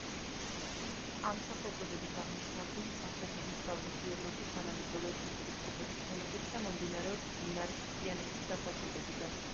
ამ სახელწოდებით აღნიშნავდნენ სამხრეთ-აღმოსავლეთი ევროპის თანამედროვე ეთნიკური ჯგუფების ფენოტიპს და მომდინარეობს დინარის მთიანეთის სახელწოდებიდან.